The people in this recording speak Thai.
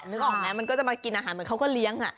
นึกออกมั้ยกินอาหารเหมือนเค้าก็เลี้ยง